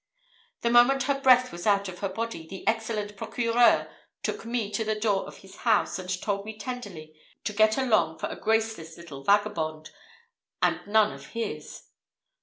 The moment the breath was out of her body, the excellent procureur took me to the door of his house, and told me tenderly to get along for a graceless little vagabond, and none of his.